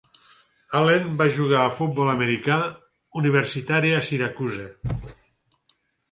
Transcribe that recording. Allen va jugar a futbol americà universitari a Syracuse.